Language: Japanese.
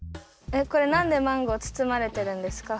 これなんでマンゴーつつまれてるんですか？